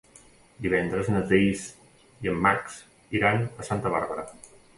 Divendres na Thaís i en Max iran a Santa Bàrbara.